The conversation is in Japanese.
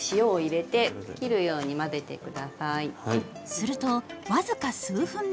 すると僅か数分で。